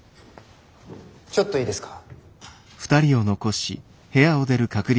ちょっといいですか。